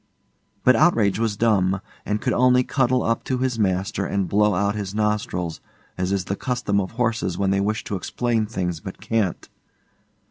But Outrage was dumb, and could only cuddle up to his master and blow out his nostrils, as is the custom of horses when they wish to explain things but can't.